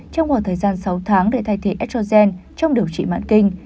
trong một thời gian sáu tháng để thay thế estrogen trong điều trị mạn kinh